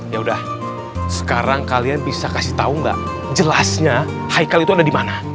yaudah sekarang kalian bisa kasih tau gak jelasnya haikal itu ada dimana